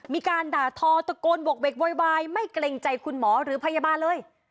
มีการด่าทอตะโกนบกเวกโวยวายไม่เกรงใจคุณหมอหรือพยาบาลเลย